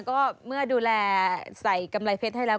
ก็เมื่อดูแลใส่กำไรเพชรให้แล้ว